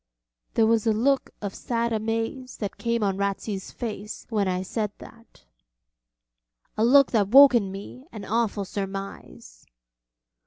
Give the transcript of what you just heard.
There was a look of sad amaze that came on Ratsey's face when I said that; a look that woke in me an awful surmise.